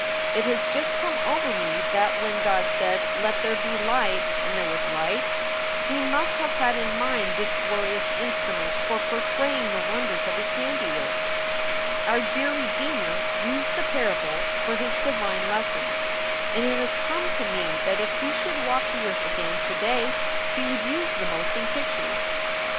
It has just come over me that when God said, Let there be light, and there was light, he must have had in mind this glorious instrument for portraying the wonders of his handiwork. 402 SOULS FOR SALE Our dear Redeemer used the parable for his divine lessons, and it has come to me that if he should walk the earth again to day he would use the motion pictures.